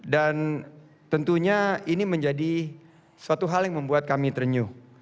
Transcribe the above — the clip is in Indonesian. dan tentunya ini menjadi suatu hal yang membuat kami ternyuh